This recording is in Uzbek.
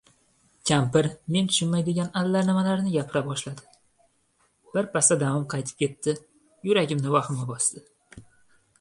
Kampir men tushunmaydigan allanimalarni gapira boshladi. Birpasda damim qaytib ketdi. Yuragimni vahima bosdi.